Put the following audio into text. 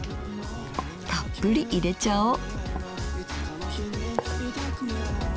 たっぷり入れちゃおう。